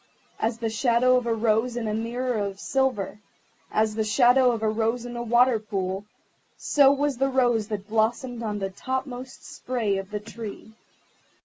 As the shadow of a rose in a mirror of silver, as the shadow of a rose in a water pool, so was the rose that blossomed on the topmost spray of the Tree.